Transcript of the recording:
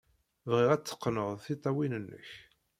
Bɣiɣ ad teqqned tiṭṭawin-nnek.